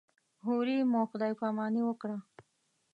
هورې مو خدای پاماني وکړه.